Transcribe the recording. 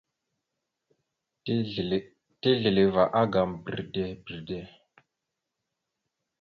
Tisləváagam bredey bredey.